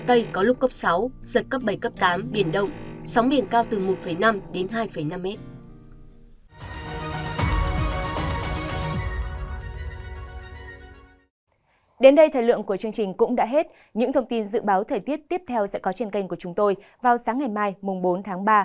đến đây thời lượng của chương trình cũng đã hết những thông tin dự báo thời tiết tiếp theo sẽ có trên kênh của chúng tôi vào sáng ngày mai bốn tháng ba